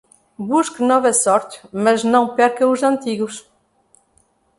Busque nova sorte, mas não perca os antigos.